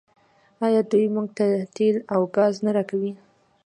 آیا دوی موږ ته تیل او ګاز نه راکوي؟